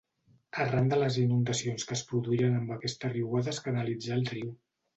Arran de les inundacions que es produïren amb aquesta riuada es canalitzà el riu.